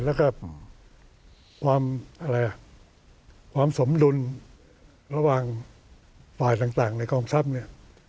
แล้วก็ความอะไรอ่ะความสมดุลระหว่างฝ่ายต่างในกองทัพเนี่ย